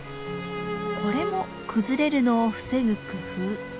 これも崩れるのを防ぐ工夫。